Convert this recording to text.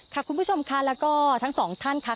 คุณผู้ชมค่ะแล้วก็ทั้งสองท่านค่ะ